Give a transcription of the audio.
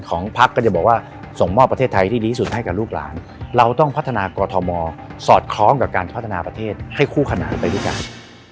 พักก็จะบอกว่าส่งมอบประเทศไทยที่ดีที่สุดให้กับลูกหลานเราต้องพัฒนากรทมสอดคล้องกับการพัฒนาประเทศให้คู่ขนานไปด้วยกัน